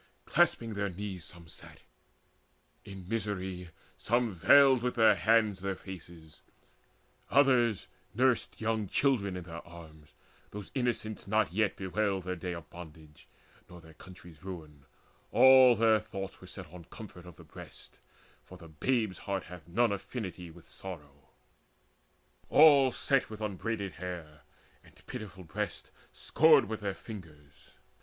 Clasping their knees some sat; in misery some Veiled with their hands their faces; others nursed Young children in their arms: those innocents Not yet bewailed their day of bondage, nor Their country's ruin; all their thoughts were set On comfort of the breast, for the babe's heart Hath none affinity with sorrow. All Sat with unbraided hair and pitiful breasts Scored with their fingers.